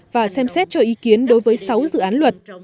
và xem xét cho ý kiến đối với sáu dự án luật